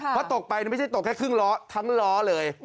เพราะตกไปไม่ใช่ตกแค่ครึ่งล้อทั้งล้อเลย